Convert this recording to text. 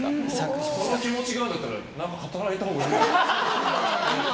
その気持ちがあるんだったら働いたほうがいいでしょ。